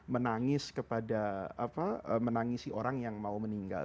menangisi orang yang mau meninggal